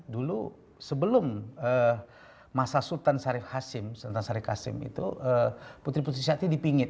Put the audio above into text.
dulu sebelum masa sultan syarif hashim sultan syarif hashim itu putri putri siap itu dipingit